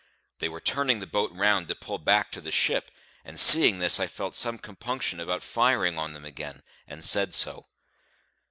They were turning the boat round to pull back to the ship, and seeing this I felt some compunction about firing on them again, and said so.